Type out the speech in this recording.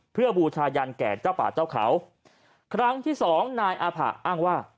เพื่อบูชายันแก่เจ้าป่าเจ้าเขาครั้งที่สองนายอาผะอ้างว่า